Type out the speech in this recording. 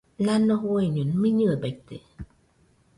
Nano fueño miñɨe baite.